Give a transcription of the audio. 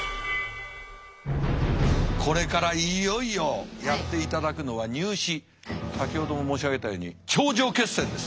これからいよいよやっていただくのは「ニュー試」先ほども申し上げたように頂上決戦です。